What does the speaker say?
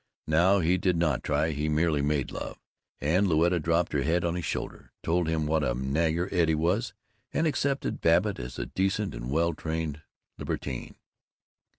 Now he did not try; he merely made love; and Louetta dropped her head on his shoulder, told him what a nagger Eddie was, and accepted Babbitt as a decent and well trained libertine.